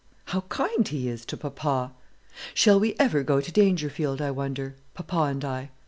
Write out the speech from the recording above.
How kind he is to papa! Shall we ever go to Dangerfield, I wonder, papa and I?